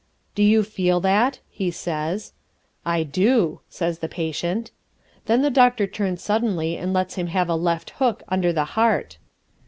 "Do you feel that," he says. "I do," says the patient. Then the doctor turns suddenly and lets him have a left hook under the heart.